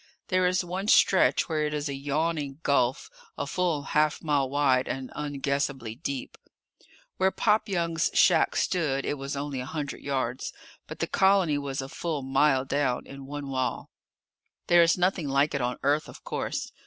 There is one stretch where it is a yawning gulf a full half mile wide and unguessably deep. Where Pop Young's shack stood it was only a hundred yards, but the colony was a full mile down, in one wall. There is nothing like it on Earth, of course.